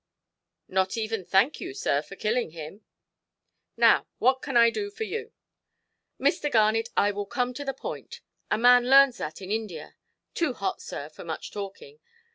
"Not even thank you, sir, for killing him. And now what can I do for you"? "Mr. Garnet, I will come to the point. A man learns that in India. Too hot, sir, for much talking.